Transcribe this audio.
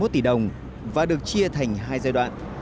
ba mươi một tỷ đồng và được chia thành hai giai đoạn